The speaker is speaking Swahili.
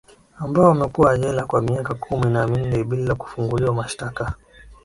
ambao wamekuwa jela kwa miaka kumi na minne bila kufunguliwa mashtaka